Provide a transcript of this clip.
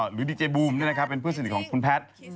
หรือดีเจย์บูมนี่นะครับเป็นเพื่อนสนิทของคุณแพทย์